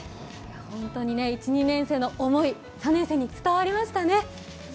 １２年生の思い、３年生に伝わりましたね。